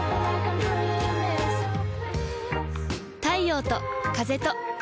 太陽と風と